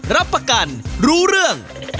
รับประกันรู้เรื่อง